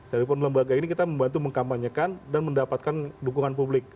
dari pun lembaga ini kita membantu mengkampanyekan dan mendapatkan dukungan publik